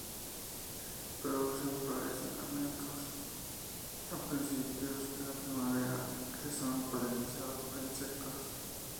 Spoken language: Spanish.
Producen flores en amentos, a principios de la primavera, que son polinizadas por insectos.